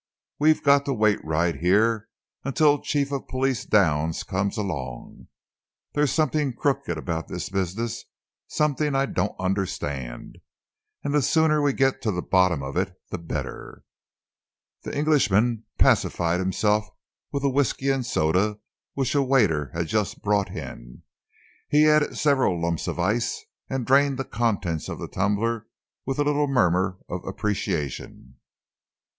"We've got to wait right here until Chief of Police Downs comes along. There's something crooked about this business, something I don't understand, and the sooner we get to the bottom of it, the better." The Englishman pacified himself with a whisky and soda which a waiter had just brought in. He added several lumps of ice and drained the contents of the tumbler with a little murmur of appreciation.